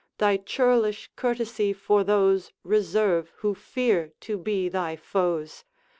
Thy churlish courtesy for those Reserve, who fear to be thy foes.